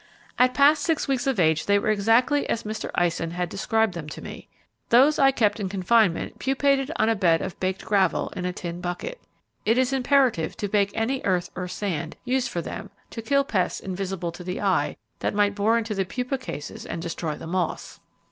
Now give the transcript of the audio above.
At past six weeks of age they were exactly as Mr. Eisen had described them to me. Those I kept in confinement pupated on a bed of baked gravel, in a tin bucket. It is imperative to bake any earth or sand used for them to kill pests invisible to the eye, that might bore into the pupa cases and destroy the moths.